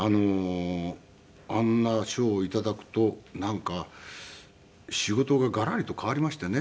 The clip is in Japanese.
あんな賞を頂くとなんか仕事がガラリと変わりましてね。